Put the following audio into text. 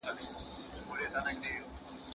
انټرنیټ د نویو مهارتونو د زده کولو مرکز دی.